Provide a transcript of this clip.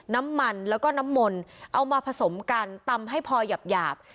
น้ำมันแล้วก็น้ำมนต์เอามาผสมกันตำให้พอหยาบ